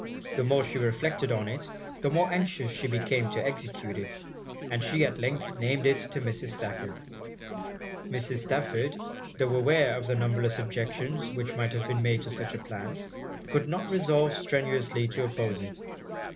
The more she reflected on it, the more anxious she became to execute it and she at length named it to Mrs. Stafford. Mrs. Stafford, tho' aware of the numberless objections which might have been made to such a plan, could not resolve strenuously to oppose it.